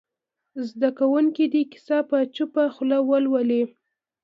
زده کوونکي دې کیسه په چوپه خوله ولولي.